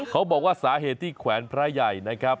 เขาบอกว่าสาเหตุที่แขวนพระใหญ่นะครับ